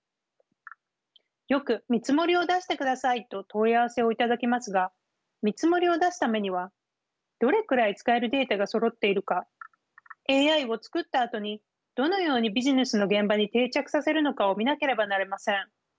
よく「見積もりを出してください」と問い合わせを頂きますが見積もりを出すためにはどれくらい使えるデータがそろっているかＡＩを作ったあとにどのようにビジネスの現場に定着させるのかを見なければなりません。